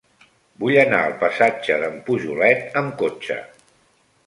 Vull anar al passatge d'en Pujolet amb cotxe.